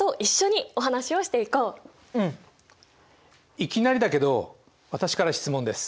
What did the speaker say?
いきなりだけど私から質問です。